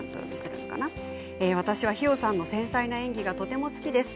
私は氷魚さんの繊細な演技がとても好きです。